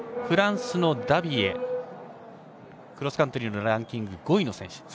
フランスのダビエクロスカントリーのランキング５位の選手。